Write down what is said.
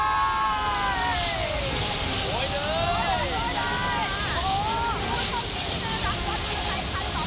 หรือเป็นผู้โชคดีจากทางไหน